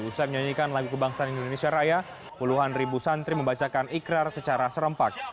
usai menyanyikan lagu kebangsaan indonesia raya puluhan ribu santri membacakan ikrar secara serempak